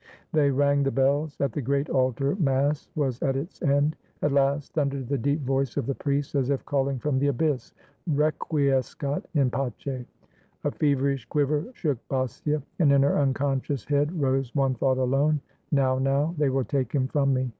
They rang the bells ; at the great altar Mass was at its end. At last thundered the deep voice of the priest, as if calling from the abyss: '^ Requiescat in pace!" A fever ish quiver shook Basia, and in her unconscious head rose one thought alone, "Now, now, they will take him from me!"